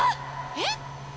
えっ？